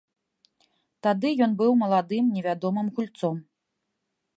Тады ён быў маладым невядомым гульцом.